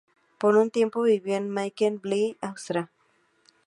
Por un tiempo vivió en Melk Abbey, Austria.